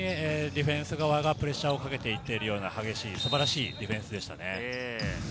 そのへんを意図的にディフェンス側がプレッシャーをかけて行っているような激しい素晴らしいディフェンスです。